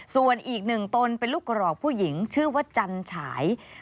ส่วนอีกหนึ่งตนเป็นลูกกรอกผู้หญิงชื่อว่าจันฉาย